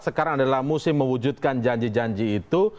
sekarang adalah musim mewujudkan janji janji itu